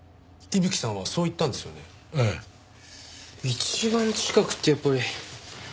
一番近くってやっぱり伊吹さん